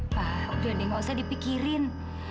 pak udah deh nggak usah dipikirin